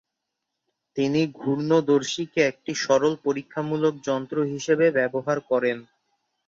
তিনি ঘূর্ণদর্শীকে একটি সরল পরীক্ষামূলক যন্ত্র হিসেবে ব্যবহার করেন।